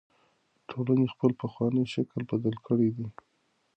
ټولنې خپل پخوانی شکل بدل کړی دی.